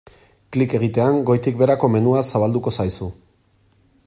Klik egitean goitik-beherako menua zabalduko zaizu.